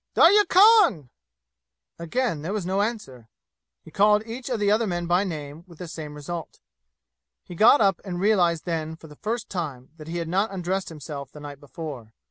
"Darya Khan!" Again there was no answer. He called each of the other men by name with the same result. He got up and realized then for the first time that he had not undressed himself the night before.